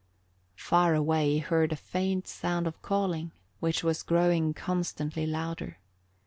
Far away he heard a faint sound of calling which was growing constantly louder.